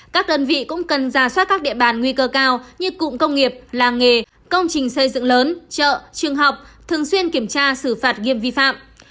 các đơn vị cũng cần ra soát các địa bàn nguy cơ cao như cụm công nghiệp làng nghề công trình xây dựng lớn chợ trường học thường xuyên kiểm tra xử phạt nghiêm vi phạm